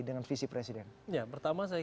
dengan visi presiden ya pertama saya